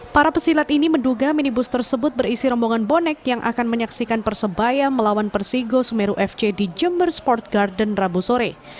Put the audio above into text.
para pesilat ini menduga minibus tersebut berisi rombongan bonek yang akan menyaksikan persebaya melawan persigo semeru fc di jember sport garden rabu sore